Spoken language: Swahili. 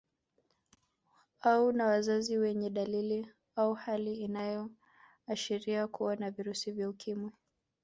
Au na wazazi wenye dalili au hali inayoashiria kuwa na virusi vya Ukimwi